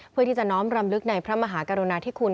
เพื่อที่จะน้อมรำลึกในพระมหากรุณาธิคุณ